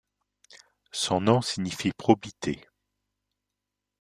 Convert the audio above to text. Son nom signifie probité.